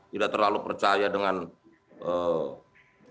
tidak terlalu percaya dengan eee